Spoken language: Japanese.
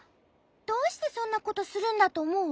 どうしてそんなことするんだとおもう？